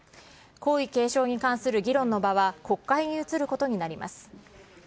皇位継承に関する議論の場は、国会に移ることになります。